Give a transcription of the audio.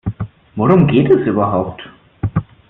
Worum geht es überhaupt?